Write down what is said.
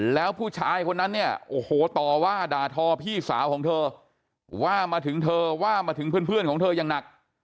แล้วผู้ชายคนนั้นเนี่ยโอ้โหต่อว่าด่าทอพี่สาวของเธอว่ามาถึงเธอว่ามาถึงเพื่อนของเธออย่างหนัก